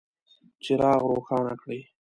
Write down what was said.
څراغ روښانه کړئ